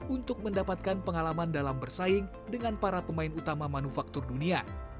untuk mendapatkan pengalaman dalam bersaing dengan para pemain utama manufaktur dunia